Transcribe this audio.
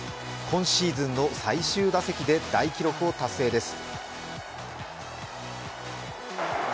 今シーズンの最終打席で大記録を達成です。